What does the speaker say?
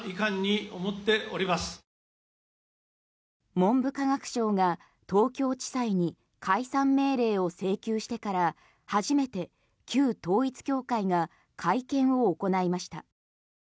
文部科学省が東京地裁に解散命令を請求してから初めて旧統一教会が会見を行いました。